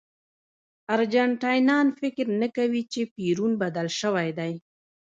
ارجنټاینان فکر نه کوي چې پېرون بدل شوی دی.